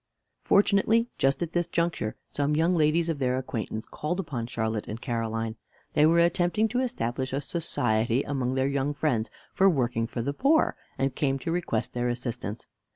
Fortunately, just at this juncture some young ladies of their acquaintance called upon Charlotte and Caroline. They were attempting to establish a society among their young friends for working for the poor, and came to request their assistance.